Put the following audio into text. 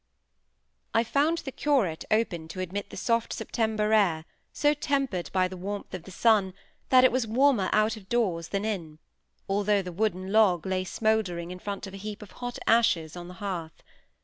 I found the "curate" open to admit the soft September air, so tempered by the warmth of the sun, that it was warmer out of doors than in, although the wooden log lay smouldering in front of a heap of hot ashes on the hearth.